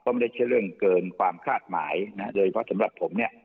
ไม่ใช่เรื่องเกินความคาดหมายนะโดยเฉพาะสำหรับผมเนี่ย